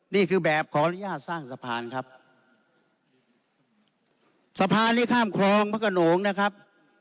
นี่คือแบบขออนุญาตสร้างสะพานครับสะพานที่ข้ามคลองพระขนงนะครับ